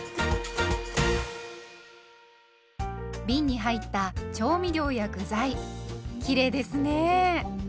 びんに入った調味料や具材きれいですね。